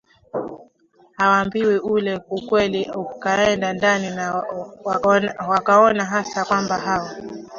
hawaambiwi ule ukweli ukaenda ndani na wakaona hasa kwamba hawa